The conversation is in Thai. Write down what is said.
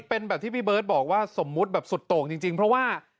เป็นแบบที่พี่เบิร์ตบอกว่าสมมุติแบบสุดโต่งจริงเพราะว่า